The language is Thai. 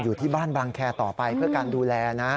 อยู่ที่บ้านบางแคร์ต่อไปเพื่อการดูแลนะ